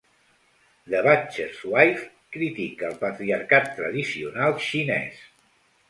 "The Butcher's Wife" critica el patriarcat tradicional xinès.